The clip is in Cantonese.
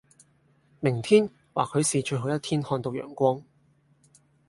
明天或許是最後一天看到陽光，